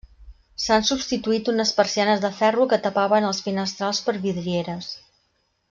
S'han substituït unes persianes de ferro que tapaven els finestrals per vidrieres.